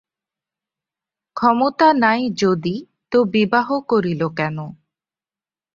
ক্ষমতা নাই যদি তো বিবাহ করিল কেন।